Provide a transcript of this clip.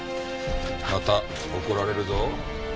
また怒られるぞ。